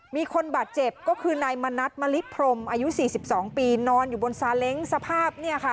มีคนบาดเจ็บก็คือนายมณัฐมลิพรมอายุ๔๒ปีนอนอยู่บนซาเล้งสภาพ